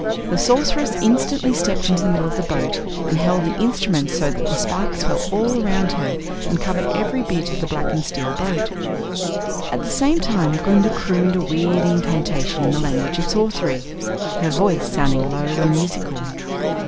The Sorceress instantly stepped into the middle of the boat and held the instrument so that the sparks fell all around her and covered every bit of the blackened steel boat. At the same time Glinda crooned a weird incantation in the language of sorcery, her voice sounding low and musical.